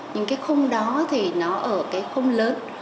những cái khung đó thì nó ở cái khung lớn